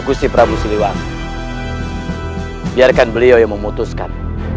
kusi prabu siliwani biarkan beliau yang memutuskan